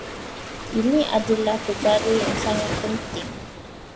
Ini adalah perkara yang sangat penting